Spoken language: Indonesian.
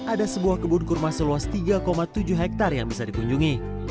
ada sebuah kebun kurma seluas tiga tujuh hektare yang bisa dikunjungi